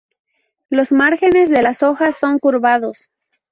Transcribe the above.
Los márgenes de las hojas son recurvados.